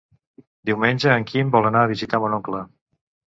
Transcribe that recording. Diumenge en Quim vol anar a visitar mon oncle.